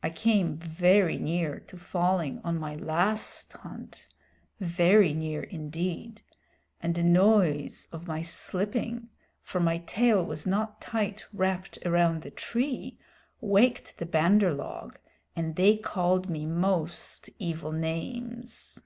I came very near to falling on my last hunt very near indeed and the noise of my slipping, for my tail was not tight wrapped around the tree, waked the Bandar log, and they called me most evil names."